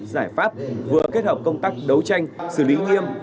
giải pháp vừa kết hợp công tác đấu tranh xử lý nghiêm